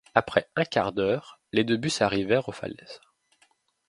Après un quart d’heure, les deux bus arrivèrent aux falaises.